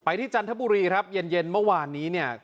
ที่จันทบุรีครับเย็นเมื่อวานนี้เนี่ย